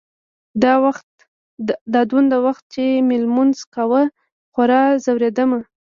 دا دونه وخت چې مې لمونځ کاوه خورا ځورېدم.